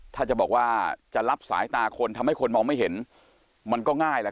ถ้าจะบอกว่าจะรับสายตาคนทำให้คนมองไม่เห็นมันก็ง่ายแหละ